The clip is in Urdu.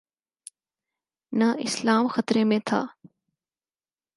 نہ اسلام خطرے میں تھا۔